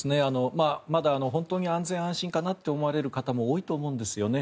まだ、本当に安全安心かなと思われる方も多いと思うんですよね。